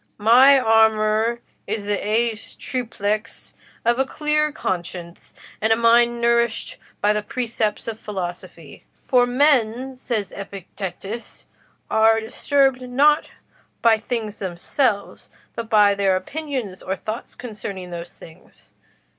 My armour is the aes triplex of a clear conscience, and a mind nourished by the precepts of philosophy. 'For men,' says Epictetus, 'are disturbed not by things themselves, but by their opinions or thoughts concerning those things.